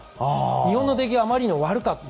日本の出来があまりにも悪かった。